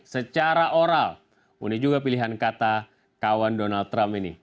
secara oral uni juga pilihan kata kawan donald trump ini